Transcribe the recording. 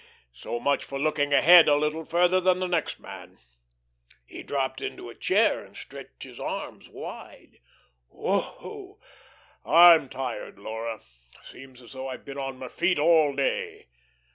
So much for looking ahead a little further than the next man." He dropped into a chair and stretched his arms wide. "Whoo! I'm tired Laura. Seems as though I'd been on my feet all day.